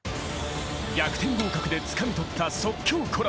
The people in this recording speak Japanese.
［逆転合格でつかみ取った即興コラボ］